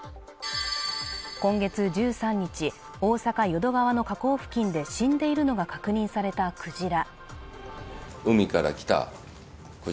今月１３日大阪淀川の河口付近で死んでいるのが確認されたクジラ